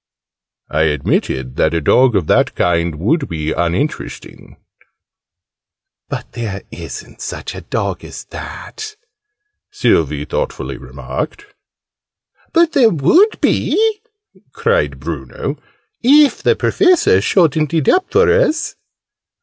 I admitted that a dog of that kind would be uninteresting. "There isn't such a dog as that," Sylvie thoughtfully remarked. "But there would be," cried Bruno, "if the Professor shortened it up for us!"